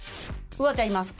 ウアちゃんいます。